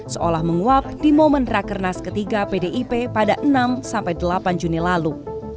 seolah menguap di momen rakernas ketiga pdip pada enam sampai delapan juni lalu